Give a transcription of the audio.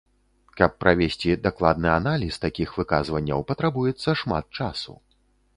Каб правесці дакладны аналіз такіх выказванняў, патрабуецца шмат часу.